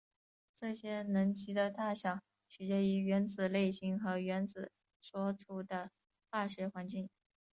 这些能级的大小取决于原子类型和原子所处的化学环境。